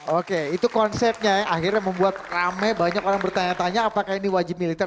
oke itu konsepnya yang akhirnya membuat rame banyak orang bertanya tanya apakah ini wajib militer